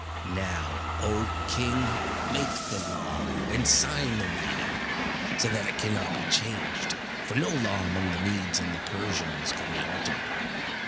Now, O king, make the law, and sign the writing, so that it cannot be changed, for no law among the Medes and the Persians can be altered."